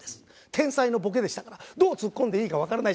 天才のボケでしたからどうツッコんでいいかわからない。